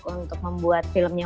untuk membuat filmnya